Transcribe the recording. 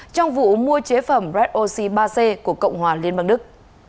trong vụ mua chế phẩm red oxy ba c của cộng hòa liên bang đức